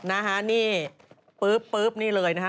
นะฮะนี่ปุ๊บนี่เลยนะฮะ